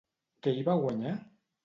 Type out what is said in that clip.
Què hi va guanyar?